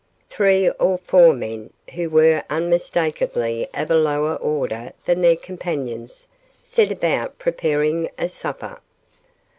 Three or four men, who were unmistakably of a lower order than their companions, set about preparing a supper.